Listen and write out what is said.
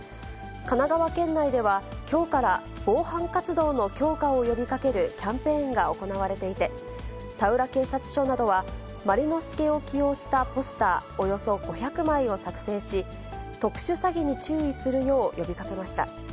神奈川県内では、きょうから防犯活動の強化を呼びかけるキャンペーンが行われていて、田浦警察署などは、マリノスケを起用したポスターおよそ５００枚を作成し、特殊詐欺に注意するよう呼びかけました。